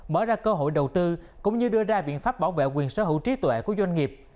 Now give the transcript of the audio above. mở ra cơ hội đầu tư cũng như đưa ra biện pháp bảo vệ quyền sở hữu trí tuệ của doanh nghiệp